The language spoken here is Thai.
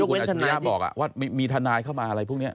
คุณอาชิริยะบอกว่ามีทนายเข้ามาอะไรพวกนี้